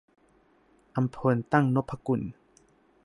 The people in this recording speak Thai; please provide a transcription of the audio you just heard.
อำพล ตั้งนพกุล